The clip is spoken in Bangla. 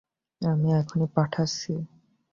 আমি এখনই পাঠাচ্ছি।